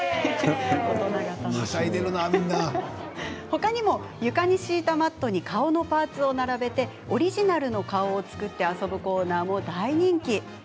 ほかにも、床に敷いたマットに顔のパーツを並べてオリジナルの顔を作って遊ぶコーナーも大人気。